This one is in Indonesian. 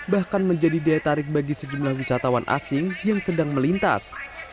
bahkan menjadi daya tarik bagi sejumlah wisatawan asing yang sedang melintas